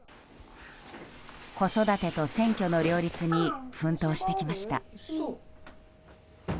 子育てと選挙の両立に奮闘してきました。